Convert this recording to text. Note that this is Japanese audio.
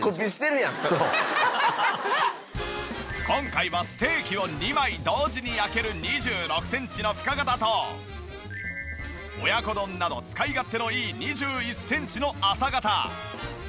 今回はステーキを２枚同時に焼ける２６センチの深型と親子丼など使い勝手のいい２１センチの浅型。